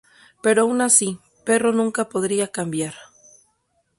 Pero aun así Perro nunca podría cambiar.